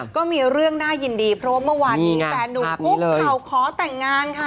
ก็มีเรื่องน่ายินดีเพราะว่าเมื่อวานนี้แฟนหนุ่มคุกเข่าขอแต่งงานค่ะ